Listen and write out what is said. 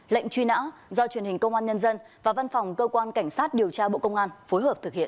lệnh truy nã do truyền hình công an nhân dân và văn phòng cơ quan cảnh sát điều tra bộ công an phối hợp thực hiện